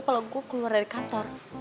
kalau gue keluar dari kantor